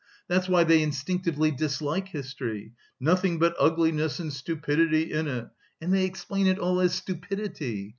That's why they instinctively dislike history, 'nothing but ugliness and stupidity in it,' and they explain it all as stupidity!